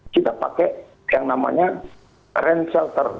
kita pakai yang namanya raind shelter